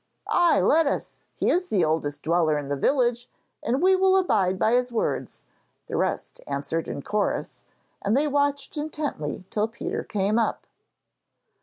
'Ay, let us! He is the oldest dweller in the village, and we will abide by his words,' the rest answered in chorus, and they watched intently till Peter came up.